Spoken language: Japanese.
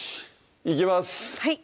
いきます